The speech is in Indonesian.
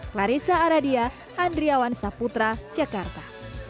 clarissa aradia andriawan saputra jakarta